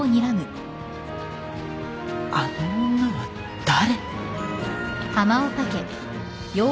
あの女は誰？